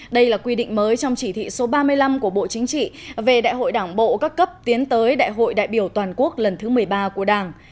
đây là quy định mới trong chỉ thị số ba mươi năm của bộ chính trị về đại hội đảng bộ các cấp tiến tới đại hội đại biểu toàn quốc lần thứ một mươi ba của đảng